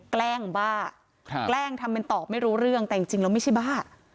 แกล้งบ้าแกล้งทำเป็นตอบไม่รู้เรื่องแต่จริงแล้วไม่ใช่บ้า